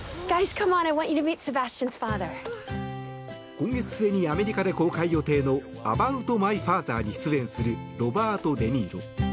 今月末にアメリカで公開予定の「ＡｂｏｕｔＭｙＦａｔｈｅｒ」に出演するロバート・デ・ニーロ。